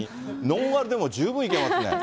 ノンアルでも十分いけますね。